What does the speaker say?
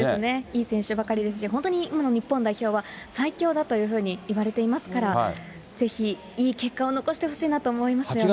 いい選手ばかりですし、本当に今の日本代表は最強だというふうにいわれていますから、ぜひいい結果を残してほしいなと思いますよね。